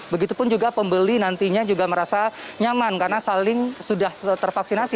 begitupun juga pembeli nantinya juga merasa nyaman karena saling sudah tervaksinasi